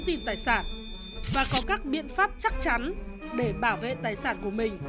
người có ý thức giữ tài sản và có các biện pháp chắc chắn để bảo vệ tài sản của mình